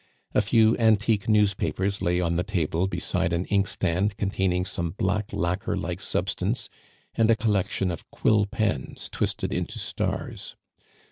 A few antique newspapers lay on the table beside an inkstand containing some black lacquer like substance, and a collection of quill pens twisted into stars.